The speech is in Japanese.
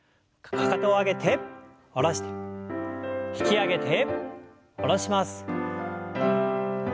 かかとを上げて下ろして引き上げて下ろします。